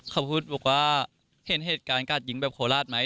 เขาก็พูดว่าเห็นเหตุการณ์กาดยิ้งแบบโขลาดไหม